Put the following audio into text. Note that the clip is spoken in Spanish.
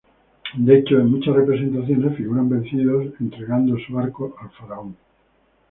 De hecho, en muchas representaciones figuran vencidos entregando su arco al faraón.